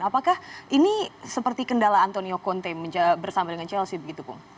apakah ini seperti kendala antonio conte bersama dengan chelsea begitu pung